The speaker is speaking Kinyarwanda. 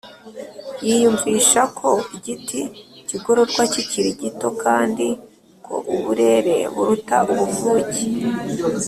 yiyumvisha ko igiti kigororwa kikiri gito kandi ko uburere buruta ubvuke